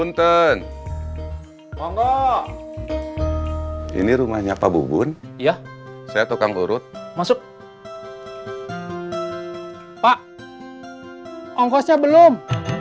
untung ini rumahnya pak bubun ya saya tukang urut masuk pak ongkosnya belum